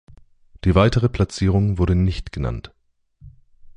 Die weitere Platzierung wurde nicht genannt.